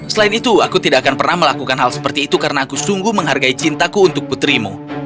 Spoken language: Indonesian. selain itu aku tidak akan pernah melakukan hal seperti itu karena aku sungguh menghargai cintaku untuk putrimu